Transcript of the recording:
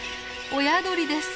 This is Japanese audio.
親鳥です。